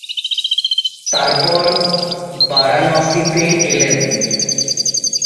তারপর বারাণসীতে এলেন।